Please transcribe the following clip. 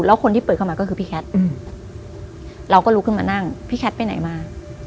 แล้วคนที่เปิดเข้ามาก็คือพี่แคทเราก็ลุกขึ้นมานั่งพี่แคทไปไหนมา